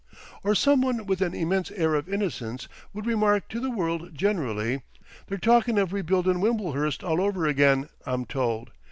Or some one with an immense air of innocence would remark to the world generally, "They're talkin' of rebuildin' Wimblehurst all over again, I'm told.